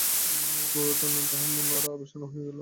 গোবর্ধনের কথায় তাহার মন আরও বিষন্ন হইয়া গেল।